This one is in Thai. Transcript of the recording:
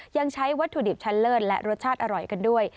ยังใช้วัตถุดิบชั้นเลิศและรสชาติอร่อยกันด้วย